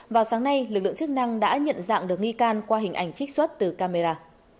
vào sáng nay lực lượng chức năng đã nhận dạng được nghi can qua hình ảnh trích xuất từ camera